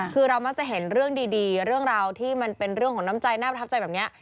คือเรามักจะเห็นเรื่องดีเรื่องราวที่มันเป็นเรื่องของน้ำใจน่าประทับใจแบบนี้